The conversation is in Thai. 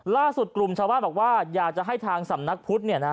ล่าสุดกลุ่มชาวบ้านบอกว่าอยากจะให้ทางสำนักพุทธ